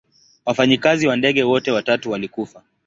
Wafanyikazi wa ndege wote watatu walikufa.